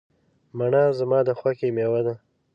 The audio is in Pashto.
مڼه زما د خوښې مېوه ده.